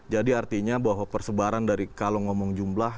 jadi artinya bahwa persebaran dari kalau ngomong jumlah